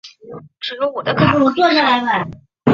上述的歌曲的现场版本评价也比录音室版本好。